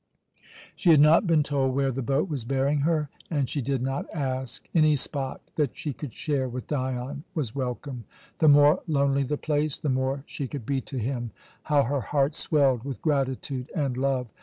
She had not been told where the boat was bearing her, and she did not ask. Any spot that she could share with Dion was welcome. The more lonely the place, the more she could be to him. How her heart swelled with gratitude and love!